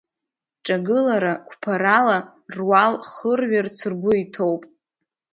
Ҿагылара қәԥарала руал хырҩарц ргәы иҭоуп.